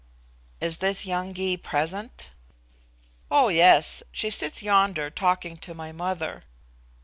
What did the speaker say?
"Is this young Gy present?" "Oh yes. She sits yonder talking to my mother."